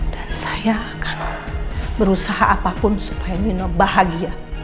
dan saya akan berusaha apapun supaya mino bahagia